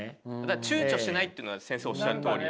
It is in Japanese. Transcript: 躊躇しないっていうのは先生おっしゃるとおりで。